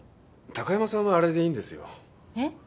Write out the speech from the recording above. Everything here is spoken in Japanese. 高山さんはあれでいいんですよ。えっ？